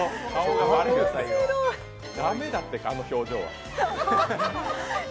駄目だって、あの表情は。